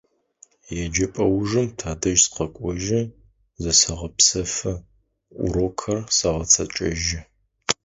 ЕджэпӀэ ужым тадэжь сыкъэкӀожьы, зысэгъэпсэфы, урокхэр сэгъэцэкӀэжьы.